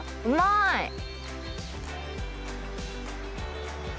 うまい。